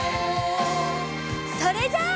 それじゃあ。